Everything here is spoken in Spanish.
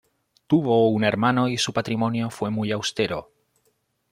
Tuvo un hermano y su patrimonio fue muy austero.